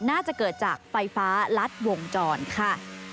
น่าจะเกิดจากไฟฟ้ารัดวงจรค่ะ